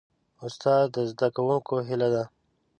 استاد د زدهکوونکو هیله ده.